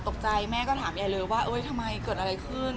ตกใจค่ะตกใจแม่ก็ถามใหญ่เลยว่าทำไมเกิดอะไรขึ้น